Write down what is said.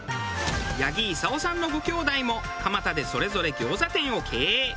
八木功さんのごきょうだいも蒲田でそれぞれ餃子店を経営。